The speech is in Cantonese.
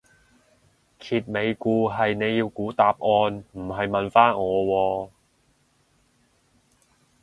揭尾故係你要估答案唔係問返我喎